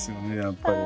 やっぱり。